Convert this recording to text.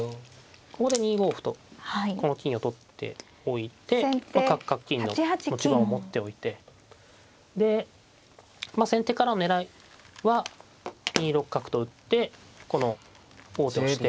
ここで２五歩とこの金を取っておいて角角金の持ち駒を持っておいてで先手からの狙いは２六角と打ってこの王手をして。